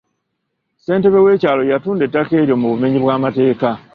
Ssentebe w'ekyalo yatunda ettaka eryo mu bumenyi bw'amateeka.